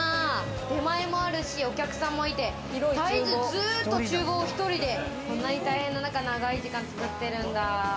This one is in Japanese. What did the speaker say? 出前もあるし、お客さんもいて、絶えずずっと厨房１人で、こんなに長い時間作ってるんだ。